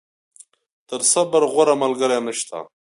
تر صبر، غوره ملګری نشته.